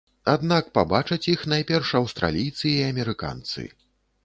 Аднак пабачаць іх найперш аўстралійцы і амерыканцы.